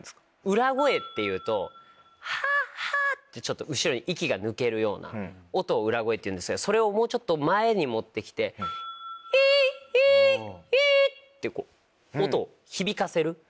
裏声っていうとハハってちょっと後ろに息が抜けるような音を裏声っていうんですけどそれをもうちょっと前に持って来てヒヒヒってこう音を響かせる。